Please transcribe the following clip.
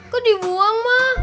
kok dibuang mah